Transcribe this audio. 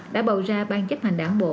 đã bầu ra ban chấp hành đảng bộ